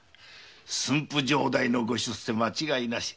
駿府城代のご出世間違いなし。